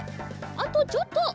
あとちょっと。